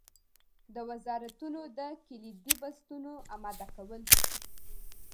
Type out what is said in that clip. د وزارتونو د کلیدي بستونو اماده کول.